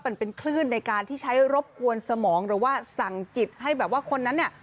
มันเป็นคลื่นในการที่ใช้รบกวนสมองหรือว่าสั่งจิตให้แบบว่าคนนั้นเนี่ย